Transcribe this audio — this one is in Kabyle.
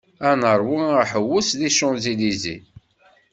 Ad neṛwu aḥewwes di Champs-Elysées.